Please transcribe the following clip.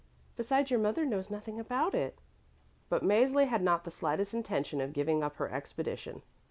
Besides your mother knows nothing about it." But Mäzli had not the slightest intention of giving up her expedition.